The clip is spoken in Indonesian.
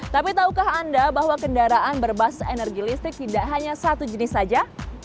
tapi tahukah anda bahwa kendaraan berbasis energi listrik tidak hanya satu jenis saja